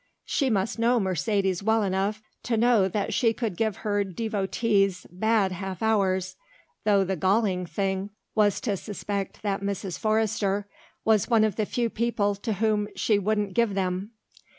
She must know Mercedes well enough to know that she could give her devotees bad half hours, though the galling thing was to suspect that Mrs. Forrester was one of the few people to whom she wouldn't give them.